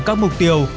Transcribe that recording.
các mục tiêu